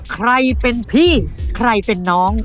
ใครเป็นพี่ใครเป็นน้อง